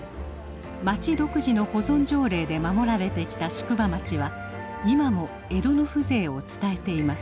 町独自の保存条例で守られてきた宿場町は今も江戸の風情を伝えています。